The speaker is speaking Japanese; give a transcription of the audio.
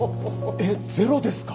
えっゼロですか？